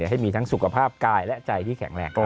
ให้มีทั้งสุขภาพกายและใจที่แข็งแรง